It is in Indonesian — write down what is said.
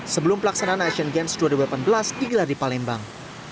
sebelum pelaksanaan asean games dua ribu delapan belas di giladipalembang